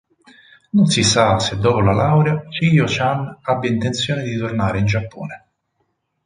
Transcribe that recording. Non si sa se dopo la laurea Chiyo-chan abbia intenzione di tornare in Giappone.